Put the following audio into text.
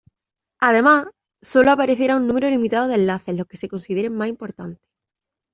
Además, sólo aparecerá un número limitado de enlaces, los que se consideren más importantes.